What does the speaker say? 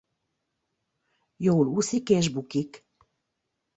Jól úszik és bukik.